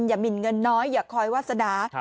อย่ามิ่นเงินน้อยอย่าคอยวาสดา